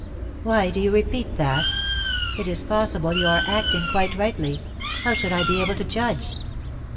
"Why do you repeat that? It is possible you are acting quite rightly. How should I be able to judge?"